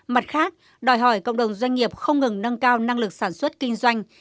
mặt khác đòi hỏi cộng đồng doanh nghiệp không ngừng nâng cao năng lực sản xuất kinh doanh